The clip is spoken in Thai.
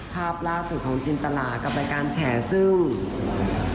ภาพล่าสุดของจินตลากับรายการแฉซึ่ง